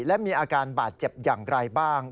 และมีอาการบาดเจ็บอย่างไรบ้าง